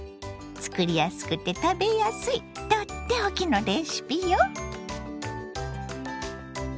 作りやすくて食べやすいとっておきのレシピよ。